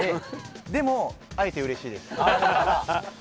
でも、会えてうれしいです。